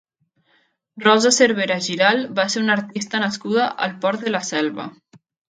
Rosa Cervera Giralt va ser una artista nascuda al Port de la Selva.